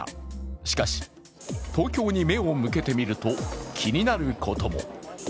しかし、東京に目を向けてみると気になることも。